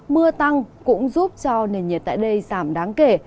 mưa tăng cũng giúp cho nền nhiệt tại đây giảm đáng kể